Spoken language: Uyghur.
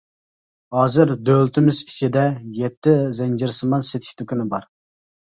ھازىر دۆلىتىمىز ئىچىدە يەتتە زەنجىرسىمان سېتىش دۇكىنى بار.